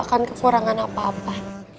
aku gak akan kekurangan apa apa